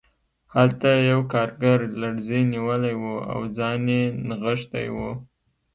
هلته یو کارګر لړزې نیولی و او ځان یې نغښتی و